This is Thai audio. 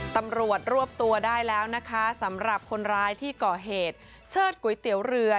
ตำรวจรวบตัวได้แล้วนะคะสำหรับคนร้ายที่ก่อเหตุเชิดก๋วยเตี๋ยวเรือ